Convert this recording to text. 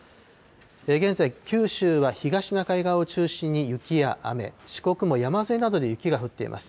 現在、九州は東シナ海側を中心に雪や雨、四国も山沿いなどで雪が降っています。